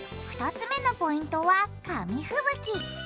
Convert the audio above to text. ２つ目のポイントは紙ふぶき。